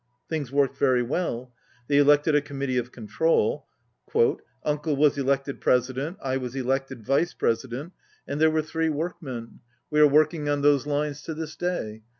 Things worked very well. They elected a com mittee of control. "Uncle was elected president, I was elected vice president, and there were three 72 workmen. We are working on those lines to this day.